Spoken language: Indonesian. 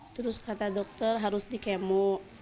terus kata dokter harus di kemo